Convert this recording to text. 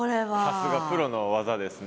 さすがプロの技ですね。